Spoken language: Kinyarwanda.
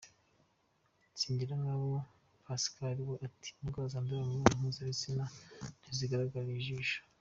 Singirankabo Pasikali we ati “Indwara zandurira mu mibonano mpuzabitsina ntizigaragarira ijisho.